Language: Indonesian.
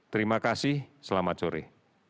terima kasih selamat sore